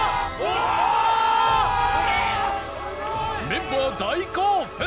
メンバー大興奮！